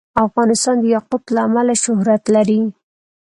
افغانستان د یاقوت له امله شهرت لري.